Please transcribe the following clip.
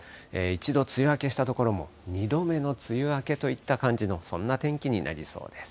一度梅雨明けした所も、２度目の梅雨明けといったところの、そんな天気になりそうです。